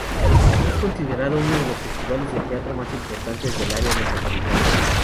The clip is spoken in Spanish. Es considerado uno de los festivales de teatro más importantes del Área Metropolitana.